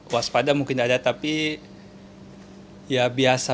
waspada mungkin tidak ada tapi ya biasa